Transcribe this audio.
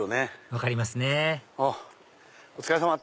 分かりますねお疲れさま！